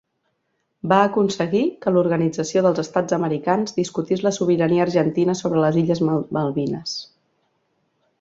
Va aconseguir que l'Organització dels Estats Americans discutís la sobirania argentina sobre les Illes Malvines.